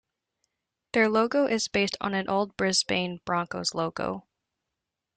Their logo is based on an old Brisbane Broncos logo.